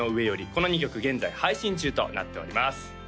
この２曲現在配信中となっております